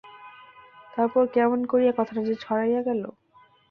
তারপর কেমন করিয়া কথাটা যে ছড়াইয়া গেল!